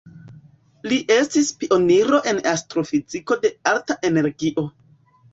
Li estis pioniro en astrofiziko de alta energio.